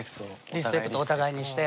リスペクトお互いにして。